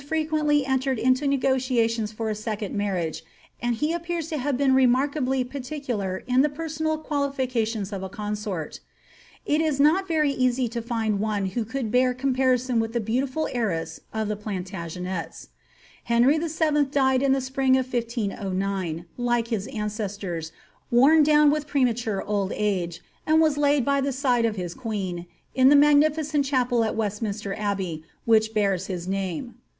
frequently entered into negotiations for a second marriage, and he appears to have been remarkably particular in the per sonal qualifications of a consort It was not very easy to find one who could bear comparison with the beautiftil heiress of the Plantagenets. Henry VII. died in the spring of 1509, like his ancestors, worn down with premature old age, and was laid by the side of his queen in the magnificent chapel at Westminster Abbey, which bears his name.